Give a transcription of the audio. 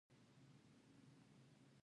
میندې د ماشوم د ګیډې درد پېژني۔